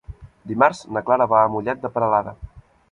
Dimarts na Clara va a Mollet de Peralada.